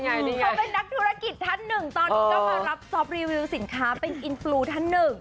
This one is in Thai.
เค้าเป็นนักธุรกิจทันนะตอนนี้ก็รับสินค้าเป็นอินฟุทัน